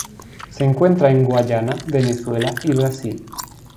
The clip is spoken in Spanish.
Se encuentra en Guayana, Venezuela y Brasil.